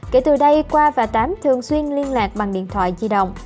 kể từ đây khoa và tám thường xuyên liên lạc bằng điện thoại di động